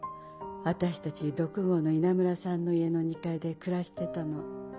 私たち六郷の稲村さんの家の２階で暮らしてたの。